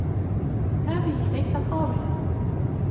هذه ليست طاولة.